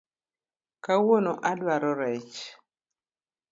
Kawuono adwaro rech